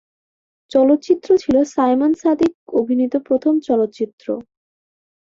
চলচ্চিত্র ছিল সায়মন সাদিক অভিনীত প্রথম চলচ্চিত্র।